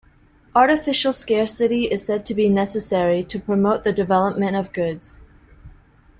Artificial scarcity is said to be necessary to promote the development of goods.